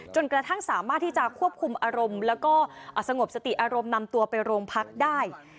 จนกระทั่งสามารถที่จะควบคุมอารมณ์แล้วก็สงบสติอารมณ์นำตัวไปโรงพักได้